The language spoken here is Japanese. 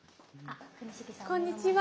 こんにちは。